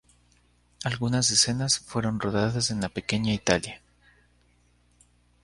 Algunas escenas fueron rodadas en la Pequeña Italia.